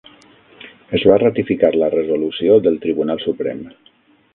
Es va ratificar la resolució del Tribunal Suprem.